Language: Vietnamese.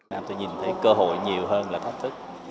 nam tôi nhìn thấy cơ hội nhiều hơn là thách thức